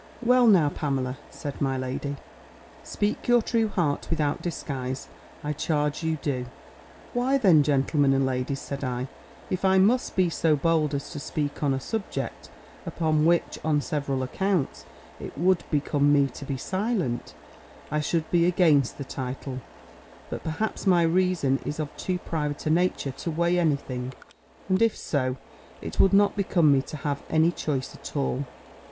"Well, now, Pamela," said my lady, "speak your true heart without disguise: I charge you do." "Why then, gentlemen and ladies," said I, "if I must be so bold as to speak on a subject, upon which on several accounts, it would become me to be silent, I should be against the title; but perhaps my reason is of too private a nature to weigh any thing: and if so, it would not become me to have any choice at all."